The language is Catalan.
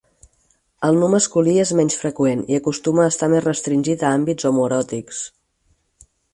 El nu masculí és menys freqüent, i acostuma a estar més restringit a àmbits homoeròtics.